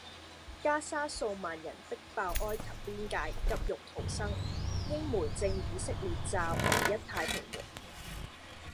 加沙數萬人逼爆埃及邊界急欲逃生英媒證以色列炸「唯一太平門」